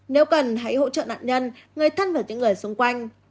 nếu cần hãy hỗ trợ nạn nhân người thân và những người xung quanh